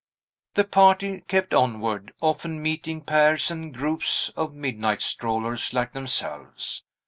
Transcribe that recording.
The party kept onward, often meeting pairs and groups of midnight strollers like themselves.